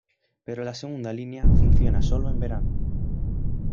Pero la segunda línea funciona solo en el verano.